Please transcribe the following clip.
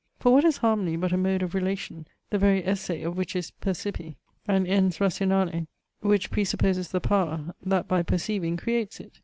For what is harmony but a mode of relation, the very esse of which is percipi? an ens rationale, which pre supposes the power, that by perceiving creates it?